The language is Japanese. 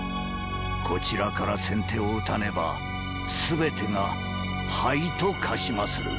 こちらから先手を打たねば全てが灰と化しまする。